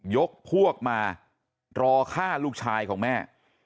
ยกพวกมารอฆ่าลูกชายของแม่